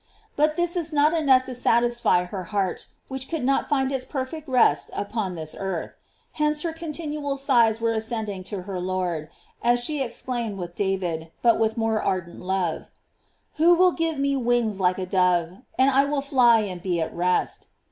But this was not enough to satisfy her heart, which could not find its perfect rest upon this earth; hence her continual sighs were ascend ing to her Lord, as she exclaimed with David, but with more ardent love: "Who will give me wings like a dove, and I will fly and be at rest."